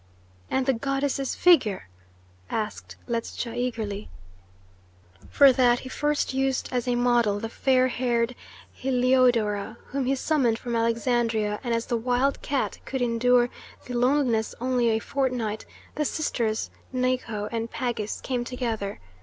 "And the goddess's figure?" asked Ledscha eagerly. "For that he first used as a model the fair haired Heliodora, whom he summoned from Alexandria, and as the wild cat could endure the loneliness only a fortnight, the sisters Nico and Pagis came together.